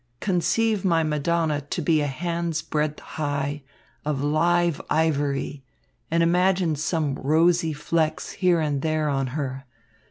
Conceive my Madonna to be a hand's breadth high, of live ivory, and imagine some rosy flecks here and there on her.